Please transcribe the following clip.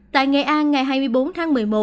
tại nghệ an ngày hai mươi bốn tháng một mươi một